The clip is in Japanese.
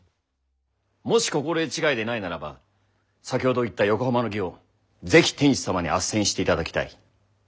もし心得違いでないならば先ほど言った横浜の儀を是非天子様に斡旋していただきたい。